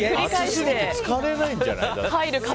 熱すぎてつかれないんじゃない。